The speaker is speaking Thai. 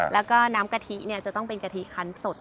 แล้วก็น้ำกะทิเนี่ยจะต้องเป็นกะทิคันสด